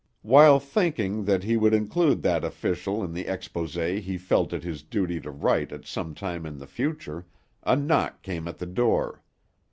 While thinking that he would include that official in the exposé he felt it his duty to write at some time in the future, a knock came at the door.